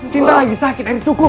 sinta lagi sakit lagi cukup